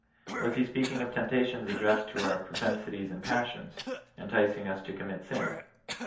Was he speaking of temptations addressed to our propensities and passions, enticing us to commit sin